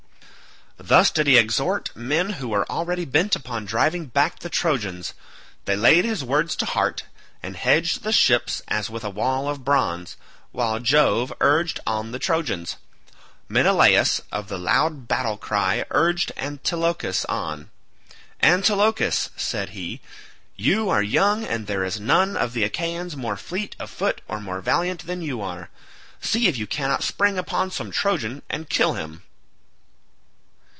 Thus did he exhort men who were already bent upon driving back the Trojans. They laid his words to heart and hedged the ships as with a wall of bronze, while Jove urged on the Trojans. Menelaus of the loud battle cry urged Antilochus on. "Antilochus," said he, "you are young and there is none of the Achaeans more fleet of foot or more valiant than you are. See if you cannot spring upon some Trojan and kill him."